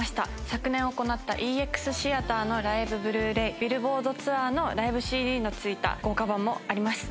昨年行ったＥＸシアターのライブブルーレイビルボードツアーのライブＣＤの付いた豪華版もあります